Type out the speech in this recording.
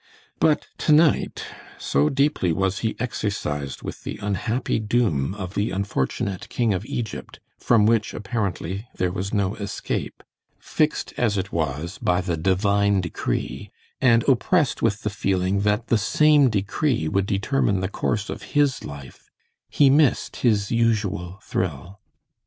But tonight, so deeply was he exercised with the unhappy doom of the unfortunate king of Egypt, from which, apparently, there was no escape, fixed as it was by the Divine decree, and oppressed with the feeling that the same decree would determine the course of his life, he missed his usual thrill.